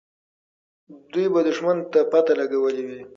دوی به دښمن ته پته لګولې وي.